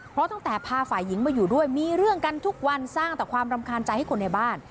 เพราะตั้งแต่พาฝ่ายหญิงมาอยู่ด้วยมีเรื่องกันทุกวันสร้างแต่ความรำคาญใจให้คนในบ้าน